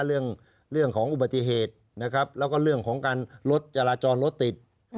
เรื่องของอุบัติเหตุนะครับแล้วก็เรื่องของการรถจราจรรถติด